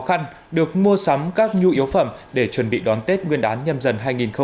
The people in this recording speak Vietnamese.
khăn được mua sắm các nhu yếu phẩm để chuẩn bị đón tết nguyên án nhằm dần hai nghìn hai mươi hai